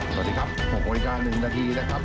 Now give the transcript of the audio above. สวัสดีครับหกโน้นอีกหนึ่งนาทีนะครับ